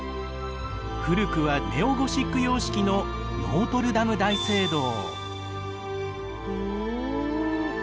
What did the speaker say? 古くはネオゴシック様式のノートルダム大聖堂。